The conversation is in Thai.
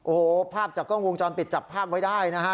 โอ้โหภาพจากกล้องวงจรปิดจับภาพไว้ได้นะฮะ